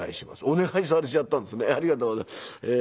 「お願いされちゃったんですね。ありがとうございます。